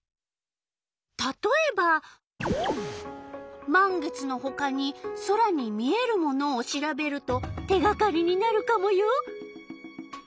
たとえば満月のほかに空に見えるものを調べると手がかりになるカモよ。